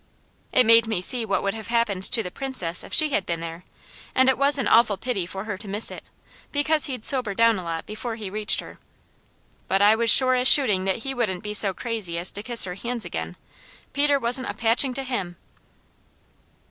It made me see what would have happened to the Princess if she had been there; and it was an awful pity for her to miss it, because he'd sober down a lot before he reached her, but I was sure as shooting that he wouldn't be so crazy as to kiss her hands again. Peter wasn't a patching to him!